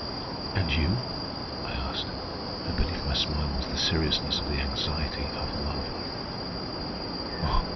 "And you?" I asked; and beneath my smile was the seriousness of the anxiety of love.